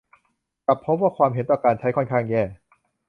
กลับพบว่าความเห็นต่อการใช้ค่อนข้างแย่